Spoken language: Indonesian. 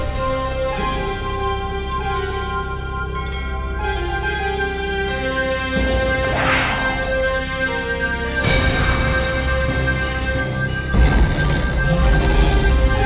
hei lampir jadian jadian